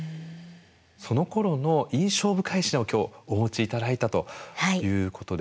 そのころの印象深い品を今日お持ち頂いたということで。